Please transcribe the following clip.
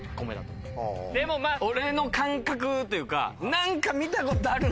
でもまぁ俺の感覚というか何か。